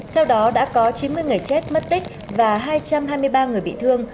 theo đó đã có chín mươi người chết mất tích và hai trăm hai mươi ba người bị thương